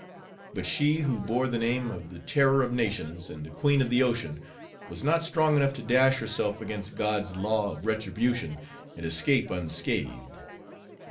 But she who bore the name of the 'Terror of Nations,' and the 'Queen of the Ocean,' was not strong enough to dash herself against God's law of retribution and escape unscathed.